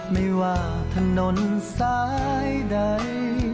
ไม่ว่าถนนซ้ายใด